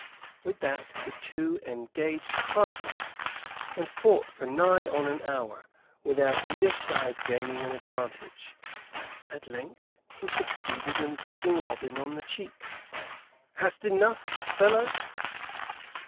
With that the two engaged heartily, and fought for nigh an hour, without either side gaining an advantage. At length he succeeded in pricking Robin on the cheek. "Hast enough, fellow?"